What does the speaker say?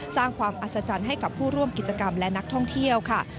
สร้างความอัศจรรย์ให้กับผู้ร่วมกิจกรรมและนักท่องเที่ยวค่ะ